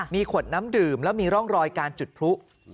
มีขวดน้ำดื่มแล้วมีร่องรอยการจุดพลุ